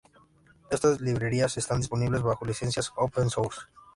Estas librerías están disponibles bajo licencias open source.